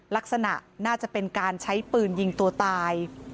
ลักษณะน่าจะเป็นการใช้ปืนยิงตัวตาย